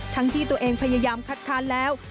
ที่ตัวเองพยายามคัดค้านแล้ว